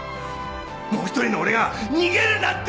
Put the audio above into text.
もう一人の俺が逃げるなって